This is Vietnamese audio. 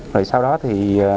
rồi sau đó thì